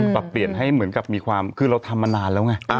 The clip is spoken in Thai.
ปรับเปลี่ยนให้เหมือนกับมีความคือเราทำมานานแล้วไง